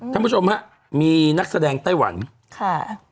ท่านผู้ชมฮะมีนักแสดงไต้หวันค่ะ